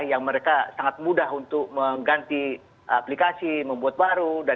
yang mereka sangat mudah untuk mengganti aplikasi membuat baru